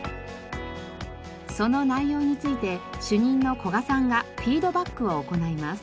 その内容について主任の古賀さんがフィードバックを行います。